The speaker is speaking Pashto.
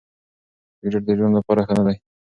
سګریټ د ژوند لپاره ښه نه دی.